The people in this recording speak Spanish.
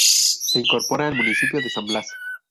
Se incorpora al Municipio de San Blas.